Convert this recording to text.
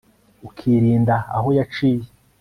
Ukirinda aho yaciye